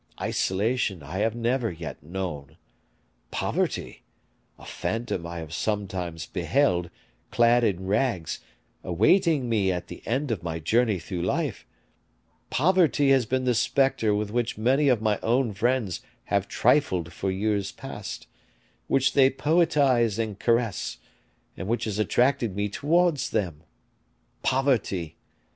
Isolation I have never yet known. Poverty (a phantom I have sometimes beheld, clad in rags, awaiting me at the end of my journey through life) poverty has been the specter with which many of my own friends have trifled for years past, which they poetize and caress, and which has attracted me towards them. Poverty!